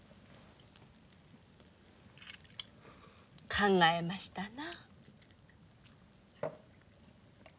考えましたな。